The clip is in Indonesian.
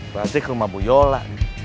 balik ke rumah bu yola